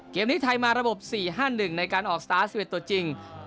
เกมนี้ไทยมาระบบ๔๕๑ในการออกสตาร์ท๑๑ตัวจริง